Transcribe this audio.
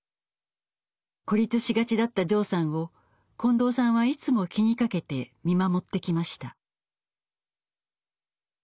孤立しがちだったジョーさんを近藤さんはいつも気にかけて見守ってきました。